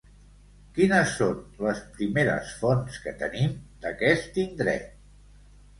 Quines són les primeres fonts que tenim d'aquest indret?